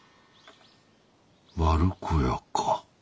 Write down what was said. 丸子屋か。